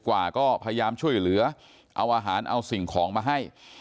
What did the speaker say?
กว่าก็พยายามช่วยเหลือเอาอาหารเอาสิ่งของมาให้